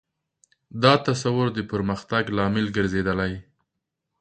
دا تصور د پرمختګ لامل ګرځېدلی.